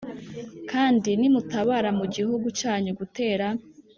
Kandi nimutabara mu gihugu cyanyu gutera